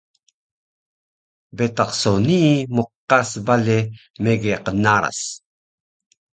betaq so nii mqaras bale mege qnaras